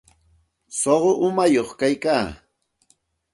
Suqu umañaq kayka.